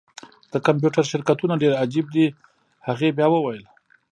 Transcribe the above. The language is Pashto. د کمپیوټر شرکتونه ډیر عجیب دي هغې بیا وویل